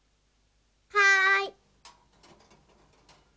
はい！